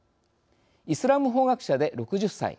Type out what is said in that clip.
イスラム法学者で６０歳。